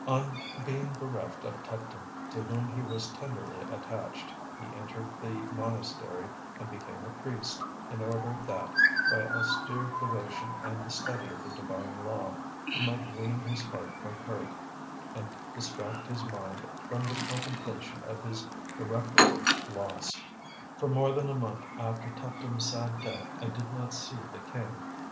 On being bereft of Tuptim, to whom he was tenderly attached, he entered the monastery, and became a priest, in order that, by austere devotion and the study of the Divine Law, he might wean his heart from her and distract his mind from the contemplation of his irreparable loss. For more than a month after Tuptim's sad death I did not see the king.